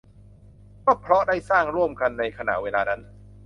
ก็เพราะได้สร้างร่วมกันในขณะเวลานั้น